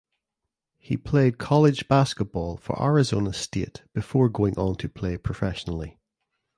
He played college basketball for Arizona State before going on to play professionally.